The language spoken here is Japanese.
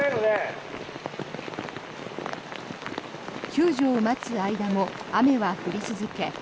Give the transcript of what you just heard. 救助を待つ間も雨は降り続け